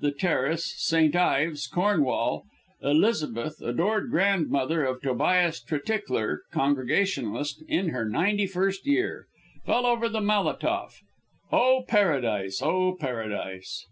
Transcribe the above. The Terrace, St. Ives, Cornwall, Elizabeth, adored grandmother of Tobias Tretickler, Congregationalist, in her 91st year. Fell over the Malatoff. "Oh, Paradise! Oh, Paradise!"